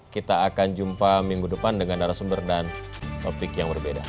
kita akan jumpa minggu depan dengan narasumber dan topik yang berbeda